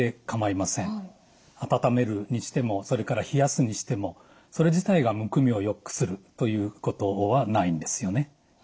温めるにしてもそれから冷やすにしてもそれ自体がむくみをよくするということはないんですよね。